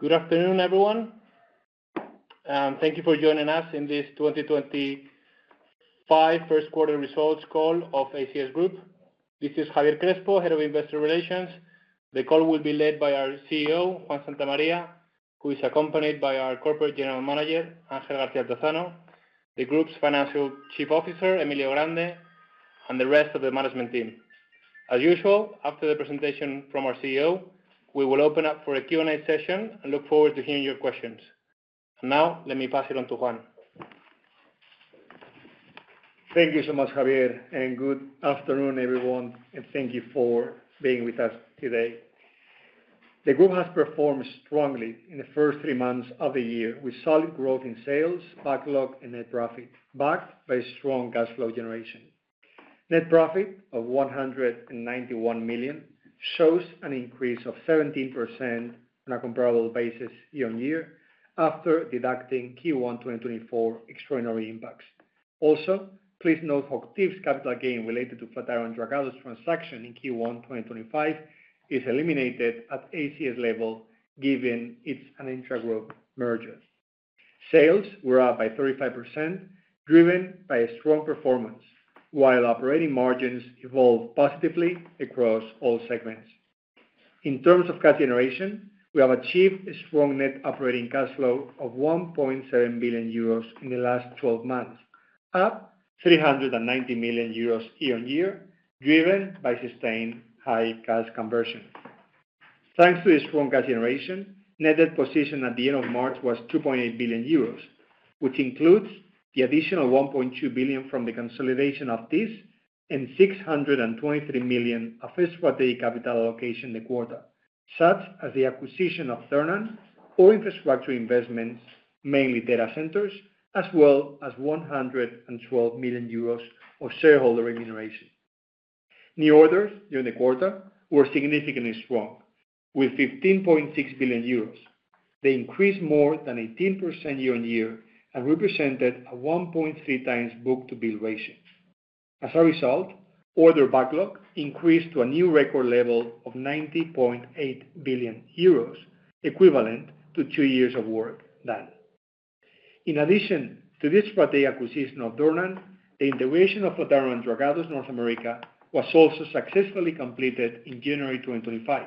Good afternoon, everyone. Thank you for joining us in this 2025 first quarter results call of ACS Group. This is Javier Crespo, Head of Investor Relations. The call will be led by our CEO, Juan Santamaría, who is accompanied by our Corporate General Manager, Ángel García Altozano, the Group's Financial Chief Officer, Emilio Grande, and the rest of the management team. As usual, after the presentation from our CEO, we will open up for a Q&A session and look forward to hearing your questions. Now, let me pass it on to Juan. Thank you so much, Javier, and good afternoon, everyone, and thank you for being with us today. The Group has performed strongly in the first three months of the year with solid growth in sales, backlog, and net profit, backed by strong cash flow generation. Net profit of 191 million shows an increase of 17% on a comparable basis year on year after deducting Q1 2024 extraordinary impacts. Also, please note HOCHTIEF's capital gain related to FlatironDragados transaction in Q1 2025 is eliminated at ACS level given its intragroup merger. Sales were up by 35%, driven by strong performance, while operating margins evolved positively across all segments. In terms of cash generation, we have achieved a strong net operating cash flow of 1.7 billion euros in the last 12 months, up 390 million euros year on year, driven by sustained high cash conversion. Thanks to the strong cash generation, netted position at the end of March was 2.8 billion euros, which includes the additional 1.2 billion from the consolidation of TIS and 623 million of extraordinary capital allocation in the quarter, such as the acquisition of Dornan, or infrastructure investments, mainly data centers, as well as 112 million euros of shareholder remuneration. New orders during the quarter were significantly strong, with 15.6 billion euros. They increased more than 18% year on year and represented a 1.3x book-to-bill ratio. As a result, order backlog increased to a new record level of 90.8 billion euros, equivalent to two years of work done. In addition to this extraordinary acquisition of Dornan, the integration of FlatironDragados North America was also successfully completed in January 2025.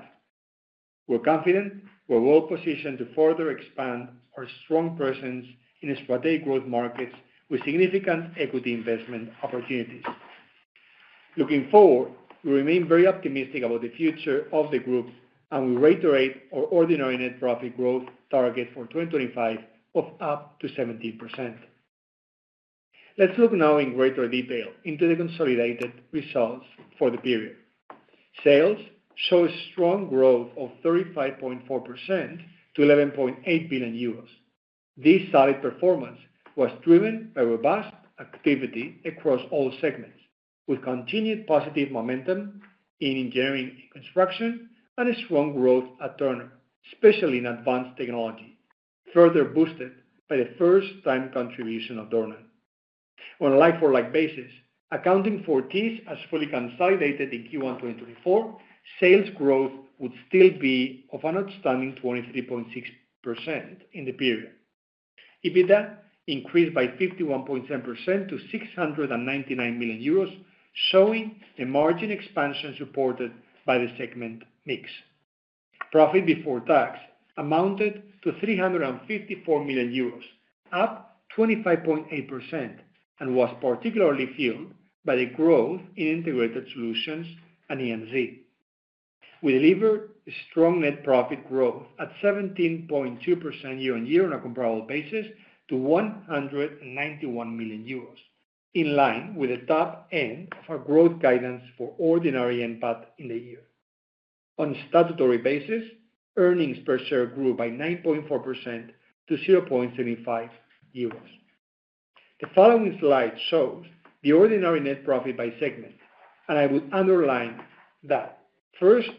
We're confident we're well positioned to further expand our strong presence in extraordinary growth markets with significant equity investment opportunities. Looking forward, we remain very optimistic about the future of the Group, and we reiterate our ordinary net profit growth target for 2025 of up to 17%. Let's look now in greater detail into the consolidated results for the period. Sales show a strong growth of 35.4% to 11.8 billion euros. This solid performance was driven by robust activity across all segments, with continued positive momentum in engineering and construction and a strong growth at Turner, especially in advanced technology, further boosted by the first-time contribution of Dornan. On a like-for-like basis, accounting for TIS as fully consolidated in Q1 2024, sales growth would still be of an outstanding 23.6% in the period. EBITDA increased by 51.7% to 699 million euros, showing the margin expansion supported by the segment mix. Profit before tax amounted to 354 million euros, up 25.8%, and was particularly fueled by the growth in integrated solutions and [EMZ]. We delivered a strong net profit growth at 17.2% year on year on a comparable basis to 191 million euros, in line with the top end of our growth guidance for ordinary NPAT in the year. On a statutory basis, earnings per share grew by 9.4% to 0.75 euros. The following slide shows the ordinary net profit by segment, and I would underline that. First,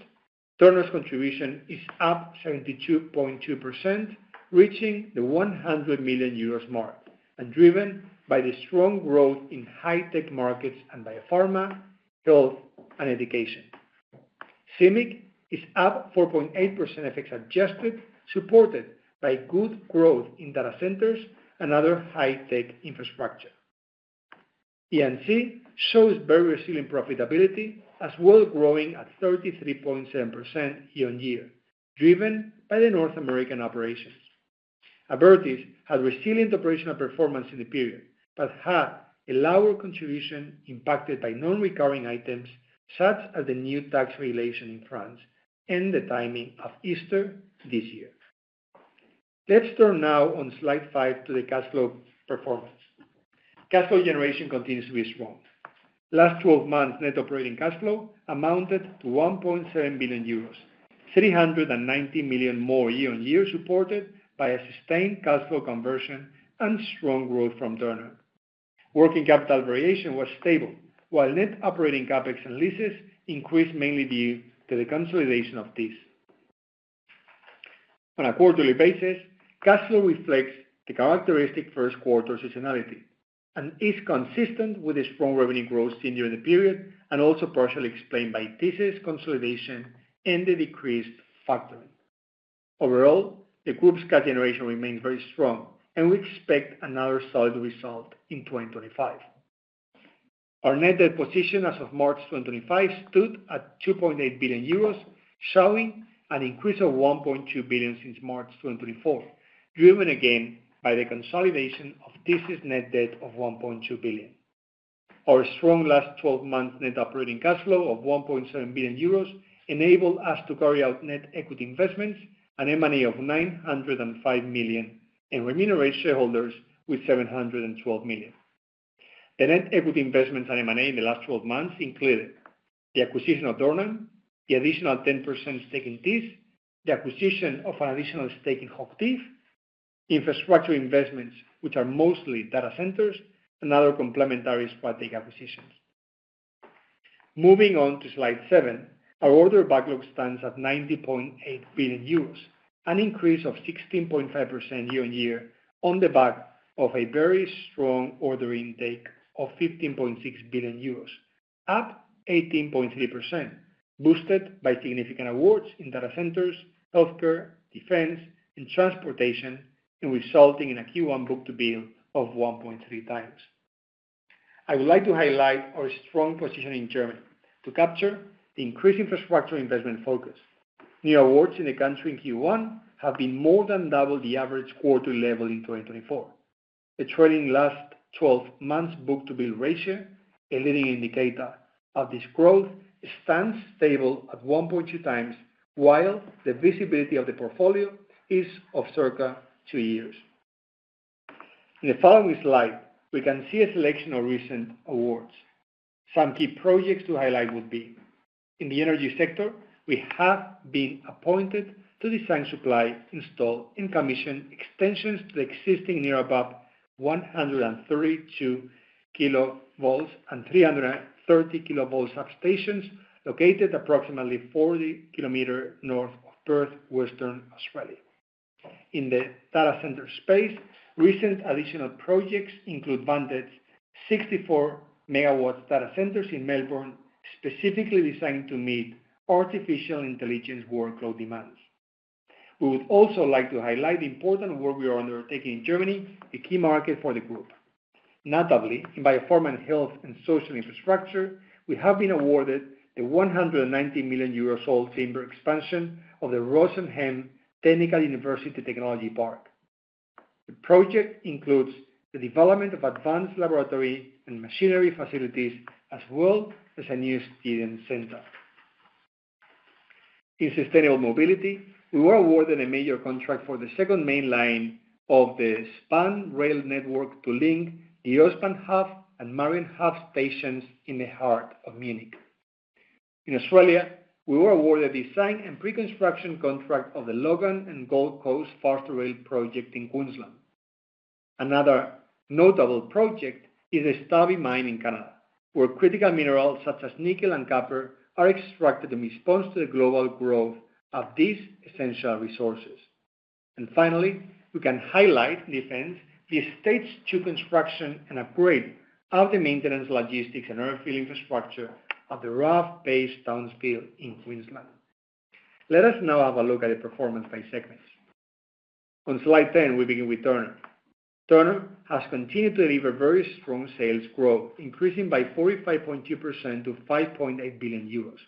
Turner's contribution is up 72.2%, reaching the 100 million euros mark, and driven by the strong growth in high-tech markets and biopharma, health, and education. CIMIC is up 4.8% FX adjusted, supported by good growth in data centers and other high-tech infrastructure. [EMZ] shows very resilient profitability, as well, growing at 33.7% year on year, driven by the North American operations. Abertis had resilient operational performance in the period, but had a lower contribution impacted by non-recurring items, such as the new tax regulation in France and the timing of Easter this year. Let's turn now on slide five to the cash flow performance. Cash flow generation continues to be strong. Last 12 months' net operating cash flow amounted to 1.7 billion euros, 390 million more year on year, supported by a sustained cash flow conversion and strong growth from Turner. Working capital variation was stable, while net operating CapEx and leases increased mainly due to the consolidation of TIS. On a quarterly basis, cash flow reflects the characteristic first quarter seasonality and is consistent with the strong revenue growth seen during the period, and also partially explained by TIS' consolidation and the decreased factoring. Overall, the Group's cash generation remains very strong, and we expect another solid result in 2025. Our net debt position as of March 2025 stood at 2.8 billion euros, showing an increase of 1.2 billion since March 2024, driven again by the consolidation of TIS' net debt of 1.2 billion. Our strong last 12 months' net operating cash flow of 1.7 billion euros enabled us to carry out net equity investments, an M&A of 905 million, and remunerate shareholders with 712 million. The net equity investments and M&A in the last 12 months included the acquisition of Dornan, the additional 10% stake in TIS, the acquisition of an additional stake in HOCHTIEF, infrastructure investments, which are mostly data centers, and other complementary extraday acquisitions. Moving on to slide seven, our order backlog stands at 90.8 billion euros, an increase of 16.5% year on year on the back of a very strong order intake of 15.6 billion euros, up 18.3%, boosted by significant awards in data centers, healthcare, defense, and transportation, resulting in a Q1 book-to-bill of 1.3x. I would like to highlight our strong position in Germany to capture the increased infrastructure investment focus. New awards in the country in Q1 have been more than double the average quarterly level in 2024. The trailing last 12 months' book-to-bill ratio, a leading indicator of this growth, stands stable at 1.2x, while the visibility of the portfolio is of circa two years. In the following slide, we can see a selection of recent awards. Some key projects to highlight would be: in the energy sector, we have been appointed to design, supply, install, and commission extensions to the existing near about 132 kV and 330 kV substations located approximately 40 km north of Perth, Western Australia. In the data center space, recent additional projects include Vantage 64 MW data centers in Melbourne, specifically designed to meet artificial intelligence workload demands. We would also like to highlight the important work we are undertaking in Germany, a key market for the Group. Notably, in biopharma and health and social infrastructure, we have been awarded the 190 million euro old chamber expansion of the Rosenheim Technical University Technology Park. The project includes the development of advanced laboratory and machinery facilities, as well as a new student center. In sustainable mobility, we were awarded a major contract for the second main line of the S-Bahn rail network to link the Ostbahnhof and Marienhof stations in the heart of Munich. In Australia, we were awarded a design and pre-construction contract of the Logan and Gold Coast Faster Rail project in Queensland. Another notable project is the Stobie mine in Canada, where critical minerals such as nickel and copper are extracted to respond to the global growth of these essential resources. Finally, we can highlight in defense the staged two-construction and upgrade of the maintenance, logistics, and airfield infrastructure of the RAAF Base Townsville in Queensland. Let us now have a look at the performance by segments. On slide 10, we begin with Turner. Turner has continued to deliver very strong sales growth, increasing by 45.2% to 5.8 billion euros,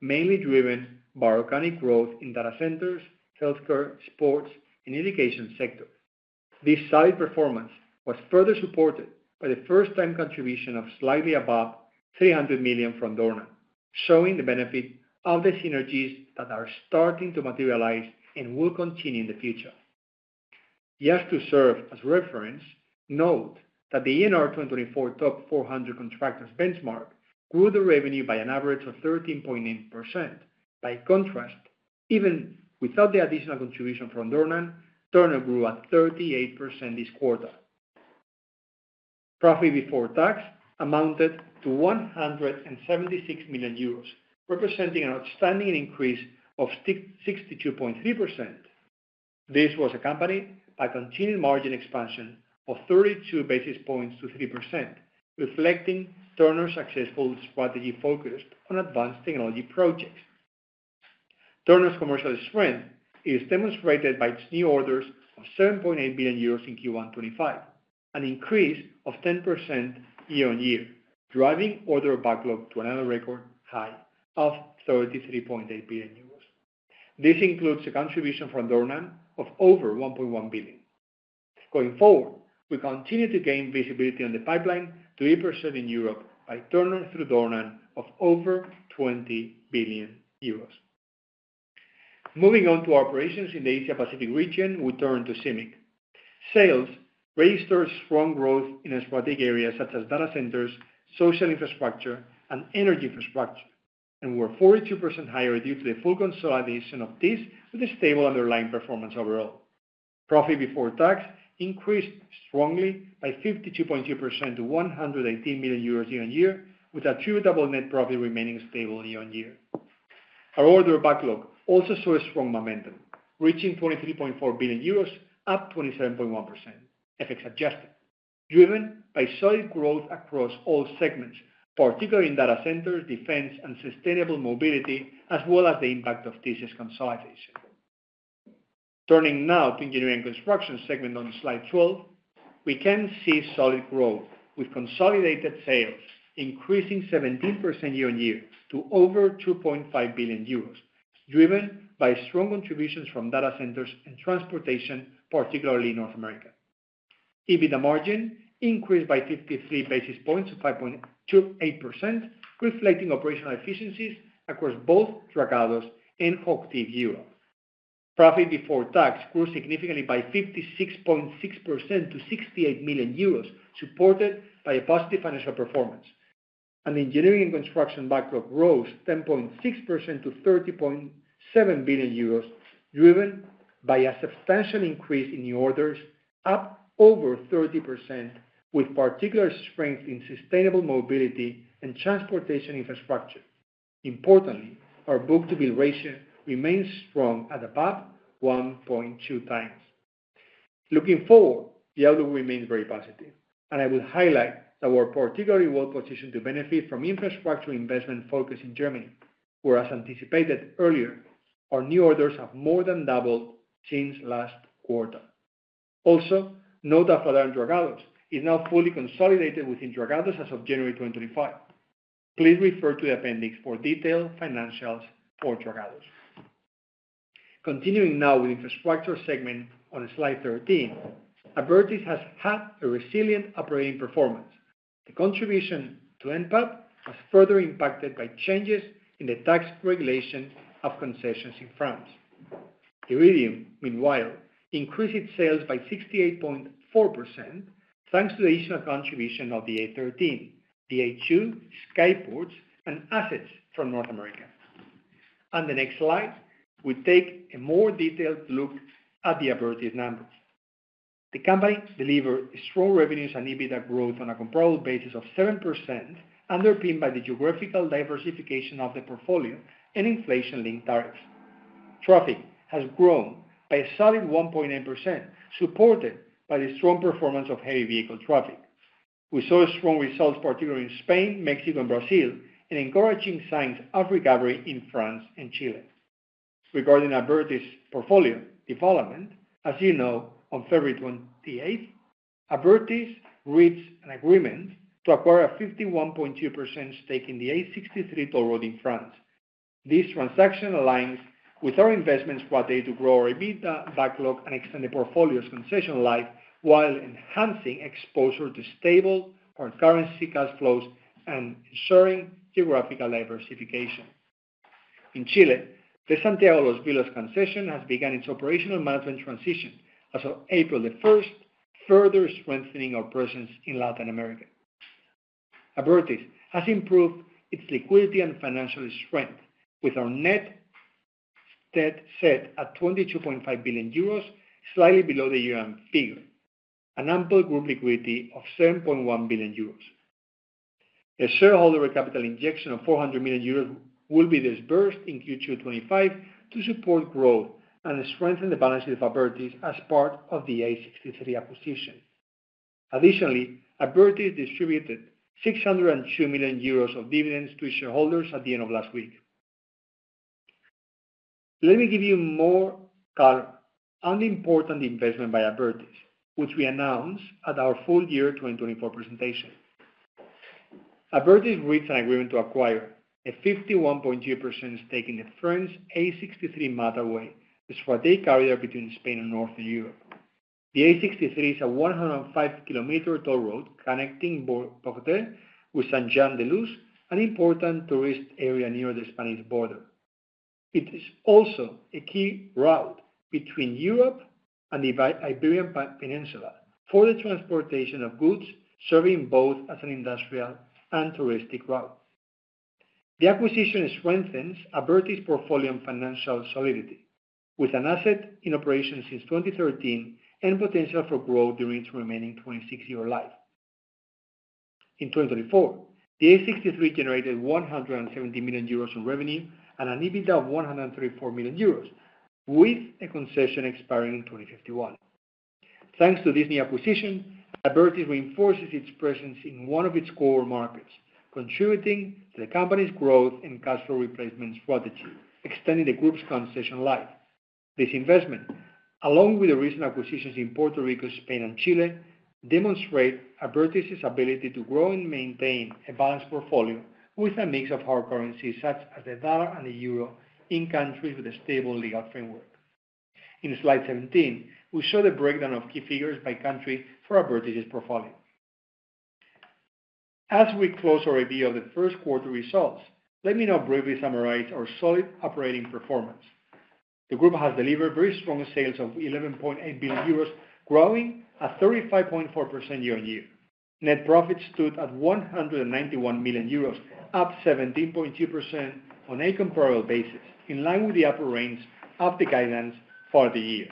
mainly driven by organic growth in data centers, healthcare, sports, and education sectors. This solid performance was further supported by the first-time contribution of slightly above 300 million from Dornan, showing the benefit of the synergies that are starting to materialize and will continue in the future. Just to serve as reference, note that the ENR 2024 top 400 contractors benchmark grew the revenue by an average of 13.9%. By contrast, even without the additional contribution from Dornan, Turner grew at 38% this quarter. Profit before tax amounted to 176 million euros, representing an outstanding increase of 62.3%. This was accompanied by continued margin expansion of 32 basis points to 3%, reflecting Turner's successful strategy focused on advanced technology projects. Turner's commercial strength is demonstrated by its new orders of 7.8 billion euros in Q1 2025, an increase of 10% year on year, driving order backlog to another record high of 33.8 billion euros. This includes a contribution from Dornan of over 1.1 billion. Going forward, we continue to gain visibility on the pipeline to 3% in Europe by Turner through Dornan of over 20 billion euros. Moving on to operations in the Asia-Pacific region, we turn to CIMIC. Sales registered strong growth in extra day areas such as data centers, social infrastructure, and energy infrastructure, and were 42% higher due to the full consolidation of TIS, with a stable underlying performance overall. Profit before tax increased strongly by 52.2% to 118 million euros year on year, with attributable net profit remaining stable year on year. Our order backlog also saw a strong momentum, reaching 23.4 billion euros, up 27.1%, FX adjusted, driven by solid growth across all segments, particularly in data centers, defense, and sustainable mobility, as well as the impact of TIS' consolidation. Turning now to the engineering and construction segment on slide 12, we can see solid growth, with consolidated sales increasing 17% year on year to over 2.5 billion euros, driven by strong contributions from data centers and transportation, particularly in North America. EBITDA margin increased by 53 basis points to 5.28%, reflecting operational efficiencies across both Dragados and HOCHTIEF Europe. Profit before tax grew significantly by 56.6% to 68 million euros, supported by a positive financial performance. The engineering and construction backlog rose 10.6% to 30.7 billion euros, driven by a substantial increase in new orders, up over 30%, with particular strength in sustainable mobility and transportation infrastructure. Importantly, our book-to-bill ratio remains strong at about 1.2x. Looking forward, the outlook remains very positive, and I would highlight that we are particularly well positioned to benefit from infrastructure investment focus in Germany, where, as anticipated earlier, our new orders have more than doubled since last quarter. Also, note that FlatironDragados is now fully consolidated within Dragados as of January 2025. Please refer to the appendix for detailed financials for Dragados. Continuing now with the infrastructure segment on slide 13, Abertis has had a resilient operating performance. The contribution to NPAT was further impacted by changes in the tax regulation of concessions in France. IRIDIUM, meanwhile, increased its sales by 68.4%, thanks to the additional contribution of the A13, the A2, Skyports, and assets from North America. On the next slide, we take a more detailed look at the Abertis numbers. The company delivered strong revenues and EBITDA growth on a comparable basis of 7%, underpinned by the geographical diversification of the portfolio and inflation-linked tariffs. Traffic has grown by a solid 1.9%, supported by the strong performance of heavy vehicle traffic. We saw strong results, particularly in Spain, Mexico, and Brazil, and encouraging signs of recovery in France and Chile. Regarding Abertis' portfolio development, as you know, on February 28th, Abertis reached an agreement to acquire a 51.2% stake in the A63 toll road in France. This transaction aligns with our investment strategy to grow our EBITDA backlog and extend the portfolio's concession life, while enhancing exposure to stable foreign currency cash flows and ensuring geographical diversification. In Chile, the Santiago Los Villas concession has begun its operational management transition as of April 1st, further strengthening our presence in Latin America. Abertis has improved its liquidity and financial strength, with our net debt set at 22.5 billion euros, slightly below the year-end figure, an ample group liquidity of 7.1 billion euros. A shareholder capital injection of 400 million euros will be disbursed in Q2 2025 to support growth and strengthen the balance sheet of Abertis as part of the A63 acquisition. Additionally, Abertis distributed 602 million euros of dividends to its shareholders at the end of last week. Let me give you more color on the important investment by Abertis, which we announced at our full year 2024 presentation. Abertis reached an agreement to acquire a 51.2% stake in the France A63 motorway, the strategic carrier between Spain and Northern Europe. The A63 is a 105 km toll road connecting Porto with Saint-Jean-de-Luz, an important tourist area near the Spanish border. It is also a key route between Europe and the Iberian Peninsula for the transportation of goods, serving both as an industrial and touristic route. The acquisition strengthens Abertis' portfolio and financial solidity, with an asset in operation since 2013 and potential for growth during its remaining 26-year life. In 2024, the A63 generated 170 million euros in revenue and an EBITDA of 134 million euros, with a concession expiring in 2051. Thanks to this new acquisition, Abertis reinforces its presence in one of its core markets, contributing to the company's growth and cash flow replacement strategy, extending the Group's concession life. This investment, along with the recent acquisitions in Puerto Rico, Spain, and Chile, demonstrates Abertis' ability to grow and maintain a balanced portfolio with a mix of hard currencies such as the dollar and the euro in countries with a stable legal framework. In slide 17, we saw the breakdown of key figures by country for Abertis' portfolio. As we close our review of the first quarter results, let me now briefly summarize our solid operating performance. The Group has delivered very strong sales of 11.8 billion euros, growing at 35.4% year on year. Net profit stood at 191 million euros, up 17.2% on a comparable basis, in line with the upper range of the guidance for the year.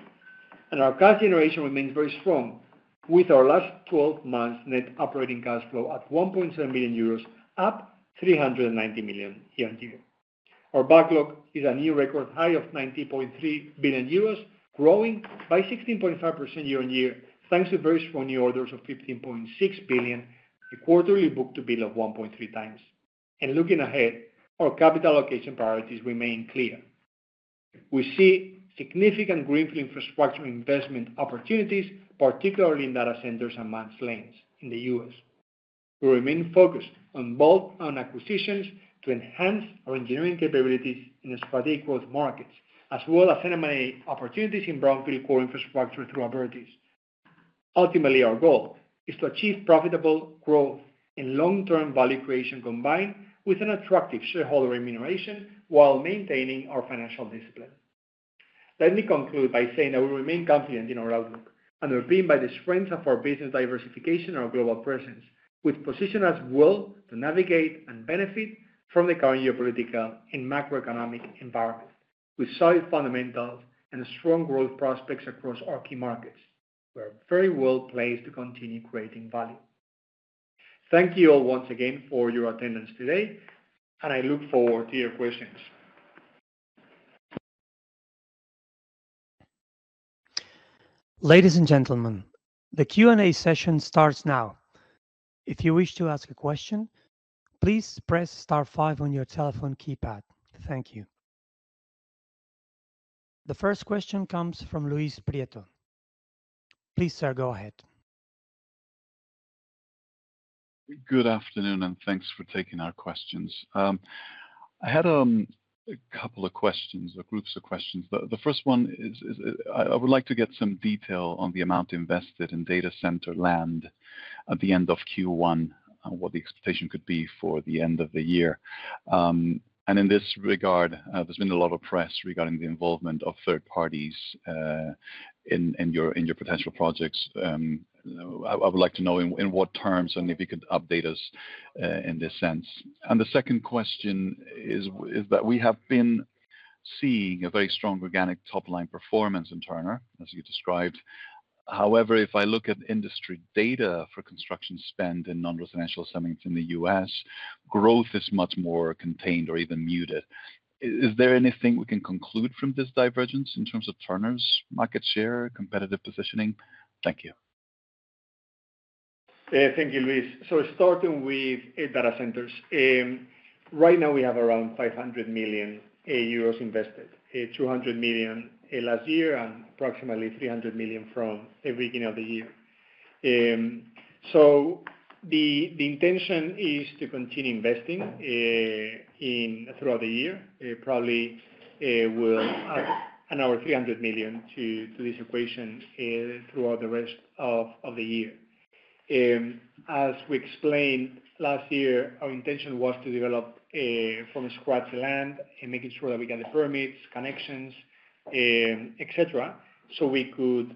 Our cash generation remains very strong, with our last 12 months' net operating cash flow at 1.7 billion euros, up 390 million year on year. Our backlog is a new record high of 90.3 billion euros, growing by 16.5% year on year, thanks to very strong new orders of 15.6 billion, a quarterly book-to-bill of 1.3x. Looking ahead, our capital allocation priorities remain clear. We see significant greenfield infrastructure investment opportunities, particularly in data centers and mainslains in the U.S.. We remain focused on both acquisitions to enhance our engineering capabilities in extra day growth markets, as well as M&A opportunities in brownfield core infrastructure through Abertis. Ultimately, our goal is to achieve profitable growth and long-term value creation, combined with an attractive shareholder remuneration while maintaining our financial discipline. Let me conclude by saying that we remain confident in our outlook, underpinned by the strength of our business diversification and our global presence, with a position as well to navigate and benefit from the current geopolitical and macroeconomic environment. With solid fundamentals and strong growth prospects across our key markets, we are very well placed to continue creating value. Thank you all once again for your attendance today, and I look forward to your questions. Ladies and gentlemen, the Q&A session starts now. If you wish to ask a question, please press star 5 on your telephone keypad. Thank you. The first question comes from Luis Prieto. Please, sir, go ahead. Good afternoon, and thanks for taking our questions. I had a couple of questions or groups of questions. The first one is I would like to get some detail on the amount invested in data center land at the end of Q1, what the expectation could be for the end of the year. In this regard, there has been a lot of press regarding the involvement of third parties in your potential projects. I would like to know in what terms and if you could update us in this sense. The second question is that we have been seeing a very strong organic top-line performance in Turner, as you described. However, if I look at industry data for construction spend in non-residential settings in the U.S., growth is much more contained or even muted. Is there anything we can conclude from this divergence in terms of Turner's market share, competitive positioning? Thank you. Thank you, Luis. Starting with data centers, right now we have around 500 million euros invested, 200 million last year, and approximately 300 million from the beginning of the year. The intention is to continue investing throughout the year. Probably we'll add another 300 million to this equation throughout the rest of the year. As we explained last year, our intention was to develop from scratch the land and making sure that we get the permits, connections, etc., so we could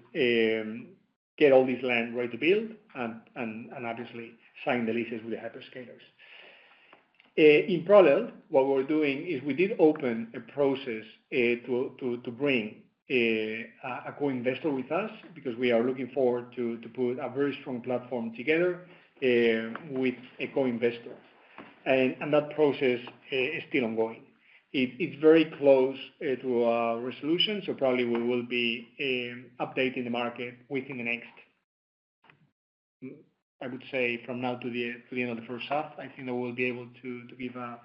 get all this land ready to build and obviously sign the leases with the hyperscalers. In parallel, what we're doing is we did open a process to bring a co-investor with us because we are looking forward to putting a very strong platform together with a co-investor. That process is still ongoing. It's very close to a resolution, so probably we will be updating the market within the next, I would say, from now to the end of the first half. I think that we'll be able to give a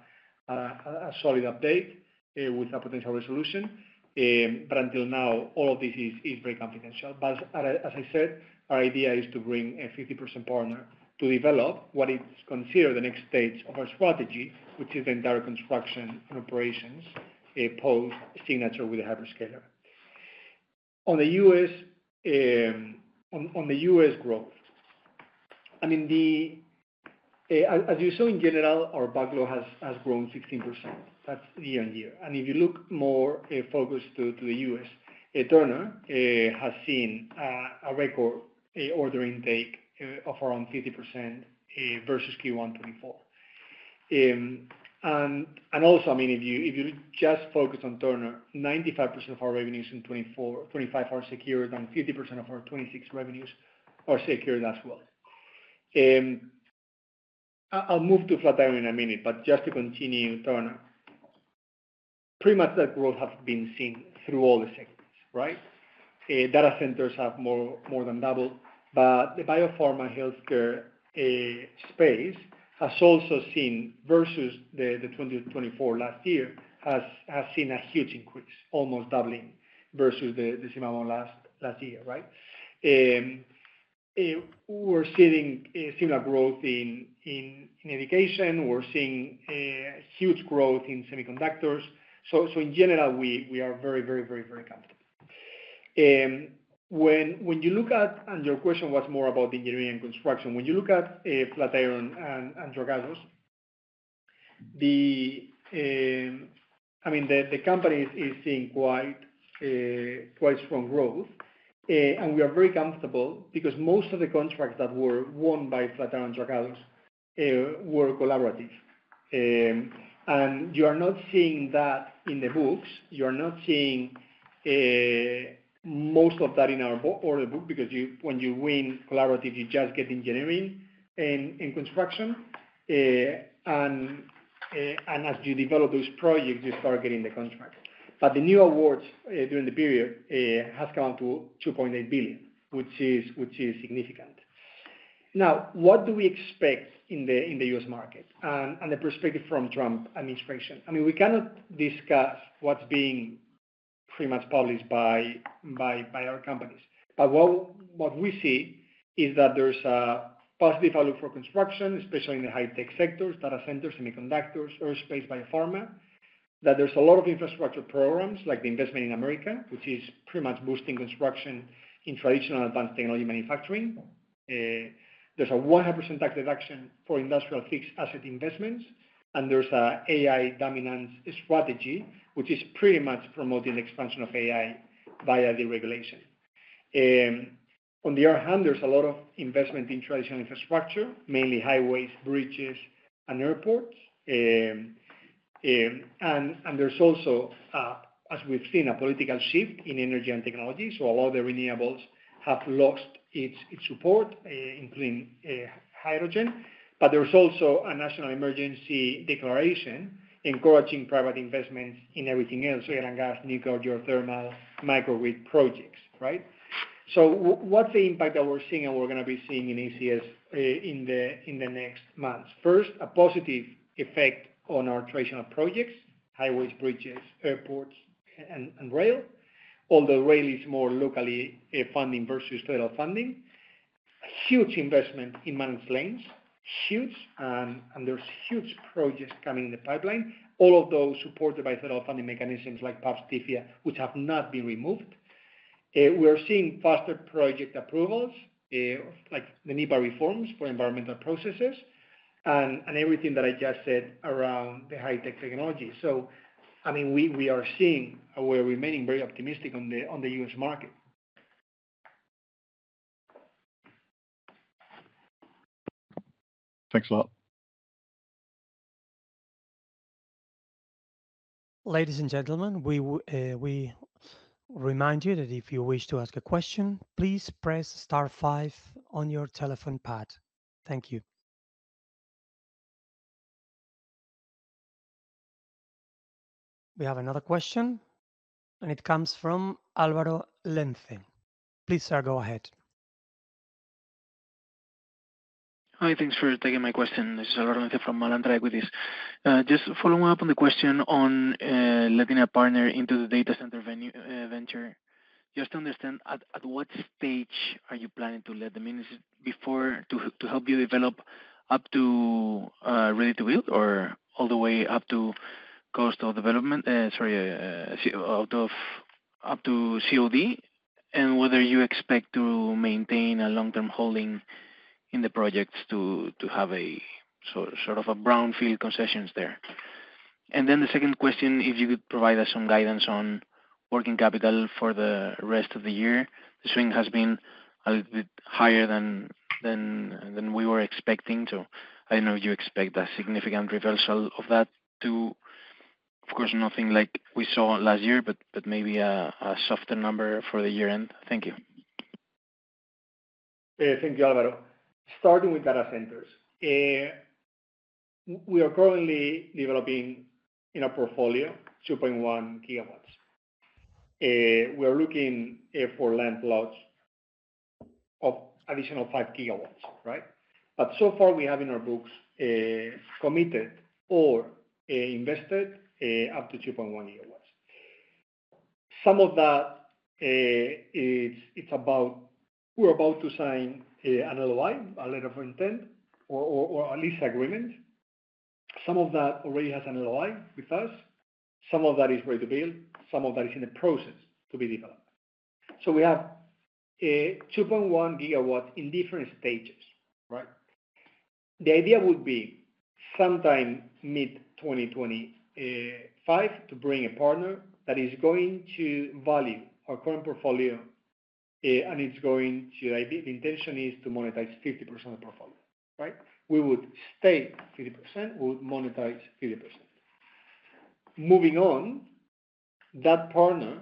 solid update with a potential resolution. Until now, all of this is very confidential. As I said, our idea is to bring a 50% partner to develop what is considered the next stage of our strategy, which is the entire construction and operations post-signature with the hyperscaler. On the U.S. growth, I mean, as you saw in general, our backlog has grown 16%. That's year on year. If you look more focused to the U.S., Turner has seen a record order intake of around 50% versus Q1 2024. I mean, if you just focus on Turner, 95% of our revenues in 2024-2025 are secured, and 50% of our 2026 revenues are secured as well. I'll move to Flatiron in a minute, but just to continue Turner, pretty much that growth has been seen through all the segments, right? Data centers have more than doubled, but the biopharma healthcare space has also seen, versus the 2024 last year, has seen a huge increase, almost doubling versus the same amount last year, right? We're seeing similar growth in education. We're seeing huge growth in semiconductors. In general, we are very, very, very, very comfortable. When you look at, and your question was more about engineering and construction, when you look at Flatiron and Dragados, I mean, the company is seeing quite strong growth. I mean, we are very comfortable because most of the contracts that were won by FlatironDragados were collaborative. You are not seeing that in the books. You are not seeing most of that in our order book because when you win collaborative, you just get engineering and construction. As you develop those projects, you start getting the contract. The new awards during the period have come up to 2.8 billion, which is significant. Now, what do we expect in the U.S. market and the perspective from Trump administration? I mean, we cannot discuss what is being pretty much published by our companies. What we see is that there's a positive outlook for construction, especially in the high-tech sectors, data centers, semiconductors, aerospace, biopharma, that there's a lot of infrastructure programs like the investment in America, which is pretty much boosting construction in traditional advanced technology manufacturing. There's a 100% tax deduction for industrial fixed asset investments. There's an AI dominance strategy, which is pretty much promoting the expansion of AI via deregulation. On the other hand, there's a lot of investment in traditional infrastructure, mainly highways, bridges, and airports. There's also, as we've seen, a political shift in energy and technology. A lot of the renewables have lost its support, including hydrogen. There's also a national emergency declaration encouraging private investments in everything else: oil and gas, nuclear, geothermal, microgrid projects, right? What's the impact that we're seeing and we're going to be seeing in ECS in the next months? First, a positive effect on our traditional projects: highways, bridges, airports, and rail, although rail is more locally funding versus federal funding. Huge investment in mains lanes, huge, and there's huge projects coming in the pipeline, all of those supported by federal funding mechanisms like PABs, TIFIA, which have not been removed. We are seeing faster project approvals, like the NEPA reforms for environmental processes and everything that I just said around the high-tech technology. I mean, we are seeing a way of remaining very optimistic on the U.S. market. Thanks a lot. Ladies and gentlemen, we remind you that if you wish to ask a question, please press star 5 on your telephone pad. Thank you. We have another question, and it comes from Álvaro Lenze. Please, sir, go ahead. Hi, thanks for taking my question. This is Álvaro Lenze from Alantra Equities. Just following up on the question on letting a partner into the data center venture, just to understand at what stage are you planning to let them in? Is it to help you develop up to ready to build or all the way up to cost of development, sorry, up to COD, and whether you expect to maintain a long-term holding in the projects to have sort of brownfield concessions there? The second question, if you could provide us some guidance on working capital for the rest of the year. The swing has been a little bit higher than we were expecting, so I do not know if you expect a significant reversal of that to, of course, nothing like we saw last year, but maybe a softer number for the year end. Thank you. Thank you, Álvaro. Starting with data centers, we are currently developing in our portfolio 2.1 GW. We are looking for land plots of additional 5 GW, right? But so far, we have in our books committed or invested up to 2.1 GW. Some of that, we're about to sign an LOI, a letter of intent, or at least agreement. Some of that already has an LOI with us. Some of that is ready to build. Some of that is in the process to be developed. We have 2.1 GW in different stages, right? The idea would be sometime mid-2025 to bring a partner that is going to value our current portfolio, and the intention is to monetize 50% of the portfolio, right? We would stay 50%. We would monetize 50%. Moving on, that partner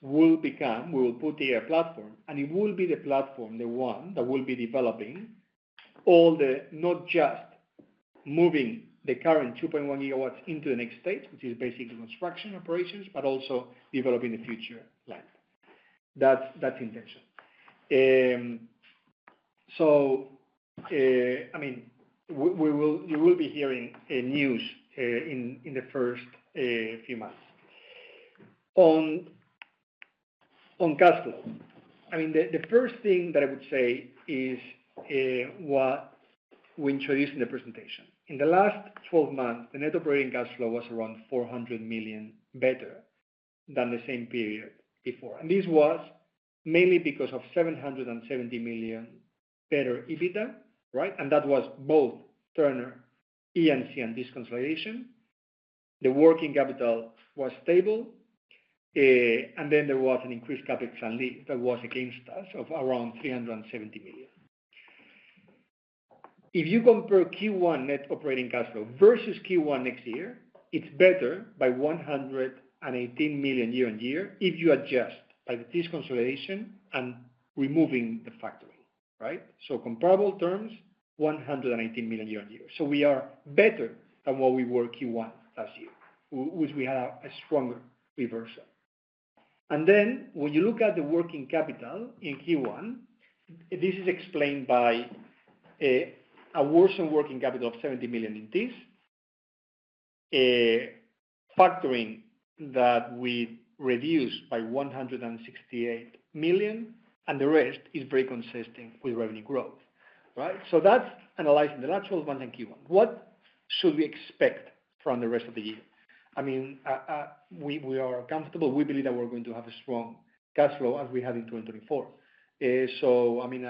will become, we will put the air platform, and it will be the platform, the one that will be developing all the, not just moving the current 2.1 GW into the next stage, which is basically construction operations, but also developing the future land. That's the intention. I mean, you will be hearing news in the first few months. On cash flow, the first thing that I would say is what we introduced in the presentation. In the last 12 months, the net operating cash flow was around 400 million better than the same period before. This was mainly because of 770 million better EBITDA, right? That was both Turner, [EMZ], and disconsolidation. The working capital was stable. There was an increased capital expenditure that was against us of around 370 million. If you compare Q1 net operating cash flow versus Q1 next year, it's better by 118 million year on year if you adjust by the disconsolidation and removing the factoring, right? So comparable terms, 118 million year on year. We are better than what we were Q1 last year, which we had a stronger reversal. When you look at the working capital in Q1, this is explained by a worse-on working capital of 70 million in this, factoring that we reduced by 168 million, and the rest is very consistent with revenue growth, right? That's analyzing the natural advance in Q1. What should we expect from the rest of the year? I mean, we are comfortable. We believe that we're going to have a strong cash flow as we had in 2024. I mean,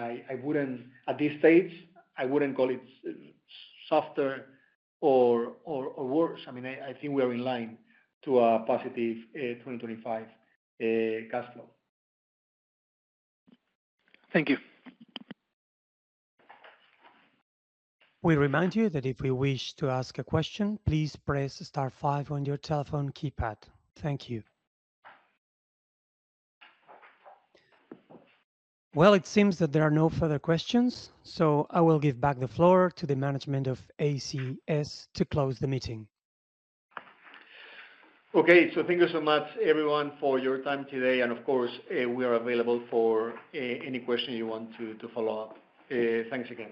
at this stage, I wouldn't call it softer or worse. I mean, I think we are in line to a positive 2025 cash flow. Thank you. We remind you that if you wish to ask a question, please press star 5 on your telephone keypad. Thank you. It seems that there are no further questions, so I will give back the floor to the management of ACS to close the meeting. Okay. Thank you so much, everyone, for your time today. Of course, we are available for any question you want to follow up. Thanks again.